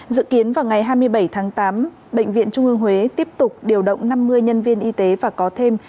dự kiến vào ngày hai mươi bảy tháng tám bệnh viện trung ương huế tiếp tục điều động năm mươi nhân viên y tế và có thêm